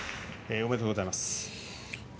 おめでとうございます。